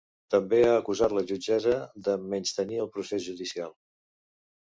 També ha acusat la jutgessa de menystenir el procés judicial.